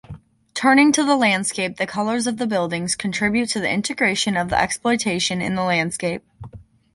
Turning to the landscape, the colors of the buildings contribute to the integration of the exploitation in the landscape.